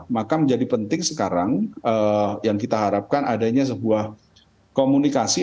maka menjadi penting sekarang yang kita harapkan adanya sebuah komunikasi